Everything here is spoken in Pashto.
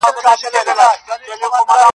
کلونه وشول دا وايي چي نه ځم اوس به راسي